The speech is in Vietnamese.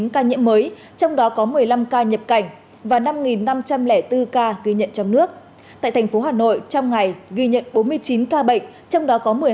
và năm năm trăm linh bốn ca ghi nhận trong nước tại thành phố hà nội trong ngày ghi nhận bốn mươi chín ca bệnh trong đó có